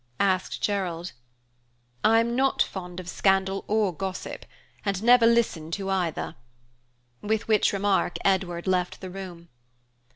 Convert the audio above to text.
asked Gerald. "I'm not fond of scandal or gossip, and never listen to either." With which remark Edward left the room.